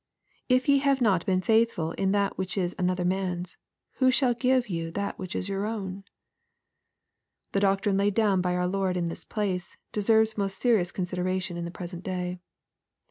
" If ye have not been faithful in that which is another man's, who shall give you that which is your own ?" The doctrine laid down by our Lord in this place, de serves most serious consideration in the present day.